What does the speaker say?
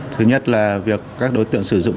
thứ nhất là việc các đối tượng sử dụng